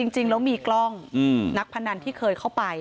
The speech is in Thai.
จริงแล้วมีกล้องนักพนันที่เคยเข้าไป